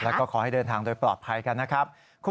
แล้วก็ขอให้เดินทางโดยปลอดภัยกันนะครับ